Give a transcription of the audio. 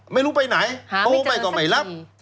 ไม่รู้ไปไหนโอ้โหไปต่อไม่รับ